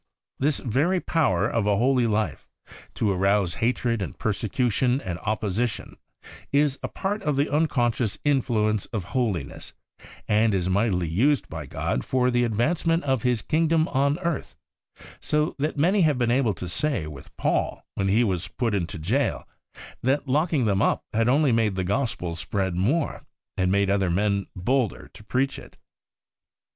This very power of a holy life to arouse hatred and persecution and opposition, is a part of the unconscious influence of Holi ness, and is mightily used by God for the advancement of His Kingdom on earth, so that many have been able to say with Paul when he was put into jail, that locking them up had only made the Gospel spread more, and made other men bolder to preach it.